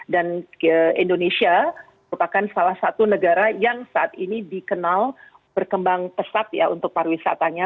dan indonesia merupakan salah satu negara yang saat ini dikenal berkembang pesat ya untuk pariwisatanya